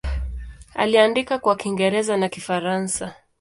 Aliandika kwa Kiingereza na Kifaransa.